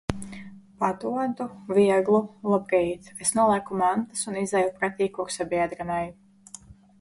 Padodu vieglu labrīt. Es nolieku mantas un izeju pretī kursabiedrenei.